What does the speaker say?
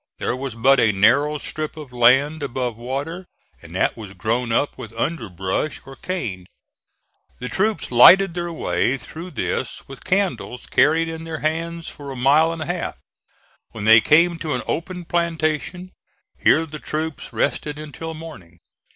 There was but a narrow strip of land above water, and that was grown up with underbrush or cane. The troops lighted their way through this with candles carried in their hands for a mile and a half, when they came to an open plantation. Here the troops rested until morning.